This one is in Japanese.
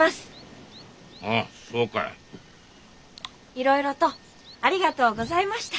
いろいろとありがとうございました。